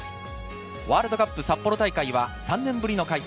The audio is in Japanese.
ワールドカップ札幌大会は３年ぶりの開催。